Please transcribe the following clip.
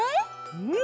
うん！